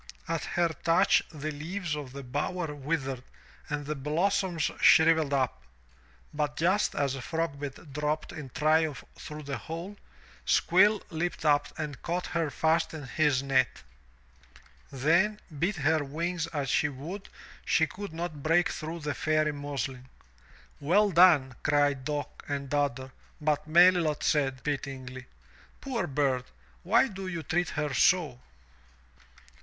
At her touch the leaves of the bower withered and the blossoms shrivelled up. But just as Frogbit dropped in triumph through the hole. Squill leapt up and caught her fast in his net. Then, beat her wings as she would, she could not break through the Fairy muslin. "Well done," cried Dock and Dodder, but Melilot said, pityingly, "Poor bird! Why do you treat her so?"